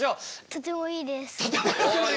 とてもいいです。